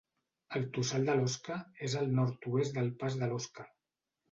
El Tossal de l'Osca és al nord-oest del Pas de l'Osca.